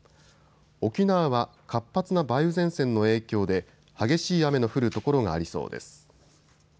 沖縄は活発な梅雨前線の影響で激しい雨の降る所がありそうです。